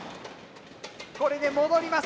これで戻ります。